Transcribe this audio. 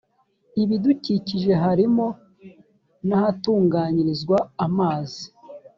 ibidukikije harimo n’ahatunganyirizwa amazi